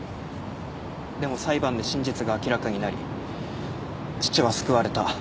でも裁判で真実が明らかになり父は救われた。